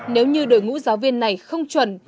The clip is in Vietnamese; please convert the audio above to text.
nếu như đội ngũ giáo viên này không chuẩn